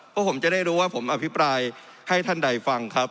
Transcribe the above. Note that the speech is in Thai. พวกผมจะได้รู้ว่าผมอภิปรายให้ท่านใดฟังครับ